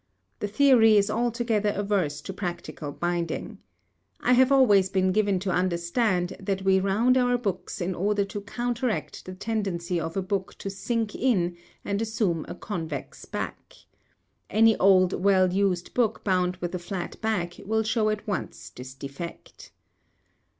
The theory is altogether averse to practical binding. I have always been given to understand that we round our books in order to counteract the tendency of a book to sink in and assume a convex back. Any old well used book bound with a flat back will show at once this defect.